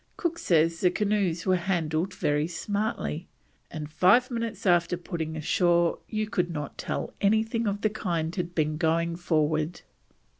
Cook says the canoes were handled very smartly, and "five minutes after putting ashore you could not tell anything of the kind had been going forward."